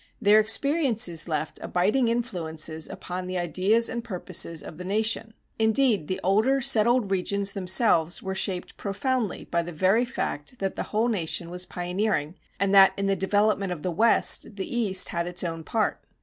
Their experiences left abiding influences upon the ideas and purposes of the nation. Indeed the older settled regions themselves were shaped profoundly by the very fact that the whole nation was pioneering and that in the development of the West the East had its own part.